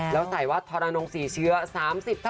แล้วใส่ว่าทรนมสี่เชื้อ๓๐๐๔๒๕๖๒ค่ะ